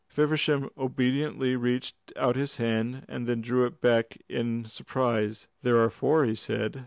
Feversham obediently reached out his hand, and then drew it back in surprise. "There are four," he said.